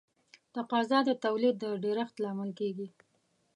تقاضا د تولید د ډېرښت لامل کیږي.